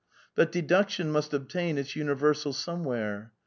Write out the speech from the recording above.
But deduction must obtain its universal somewhere.